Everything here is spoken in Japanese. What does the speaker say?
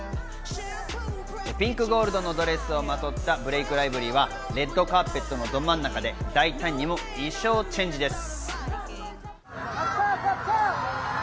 ピンクゴールドのドレスをまとったブレイク・ライブリーはレッドカーペットのど真ん中で、大胆にも衣装チェンジです。